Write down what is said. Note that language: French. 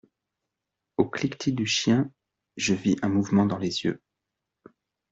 Au cliquetis du chien, je vis un mouvement dans les yeux.